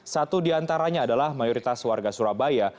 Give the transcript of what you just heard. satu di antaranya adalah mayoritas warga surabaya